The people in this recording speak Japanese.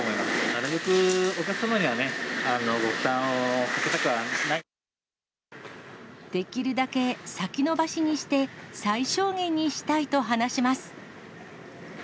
なるべくお客様にはね、できるだけ先延ばしにして、最小限にしたいと話します。